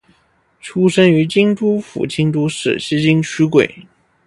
出身于京都府京都市西京区桂。